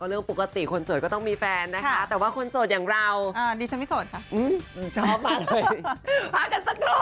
เรื่องปกติคนสดก็ต้องมีแฟนนะคะแต่ว่าคนสดอย่างเราดิฉันไม่สดค่ะชอบมากมากกันสักครู่